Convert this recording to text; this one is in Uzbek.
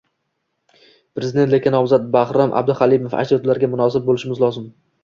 Prezidentlikka nomzod Bahrom Abduhalimov: “Ajdodlarga munosib bo‘lishimiz lozim”